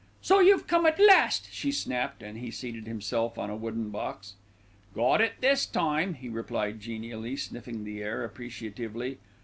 "So you've come at last," she snapped, as he seated himself on a wooden box. "Got it this time," he replied genially, sniffing the air appreciatively.